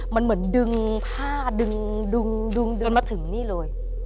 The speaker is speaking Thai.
มันเหมือนดึงผ้าดึงเดินมาถึงนี่เลย